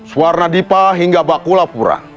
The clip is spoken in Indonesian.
suar nadipa hingga bakula puran